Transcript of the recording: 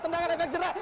tendangan efek jebret